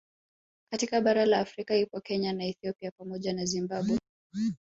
Katika bara la Afrika ipo Kenya na Ethipia pamoja na Zimbabwe